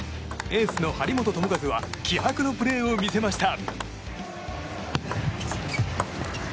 エースの張本智和は気迫のプレーを見せました。